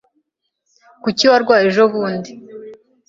Kuki warwaye ejobundi?